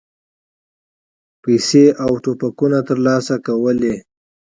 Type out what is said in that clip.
پیسې او توپکونه ترلاسه کولې.